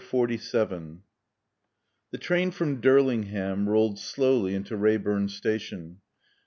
XLVII The train from Durlingham rolled slowly into Reyburn station.